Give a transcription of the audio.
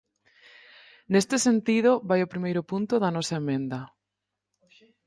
Neste sentido, vai o primeiro punto da nosa emenda.